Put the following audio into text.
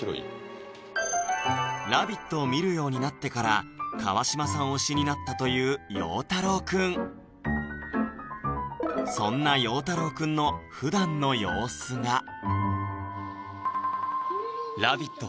「ラヴィット！」を見るようになってから川島さん推しになったというようたろうくんそんなようたろうくんのふだんの様子が「ラヴィット！」